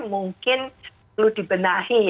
mungkin perlu dibenahi